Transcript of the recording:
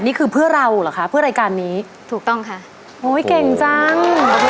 นี่คือเพื่อเราเหรอคะเพื่อรายการนี้ถูกต้องค่ะโอ้ยเก่งจัง